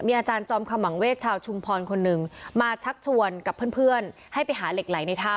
อาจารย์จอมขมังเวชชาวชุมพรคนหนึ่งมาชักชวนกับเพื่อนให้ไปหาเหล็กไหลในถ้ำ